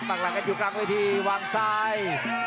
ต่างหลังกันอยู่กลางวิธีวางซ้าย